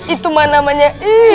itu mah namanya